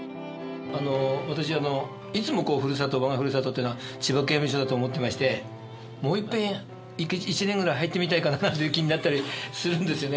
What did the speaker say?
私いつも我が故郷っていうのは千葉刑務所だと思ってましてもういっぺん１年ぐらい入ってみたいかななんていう気になったりするんですよね。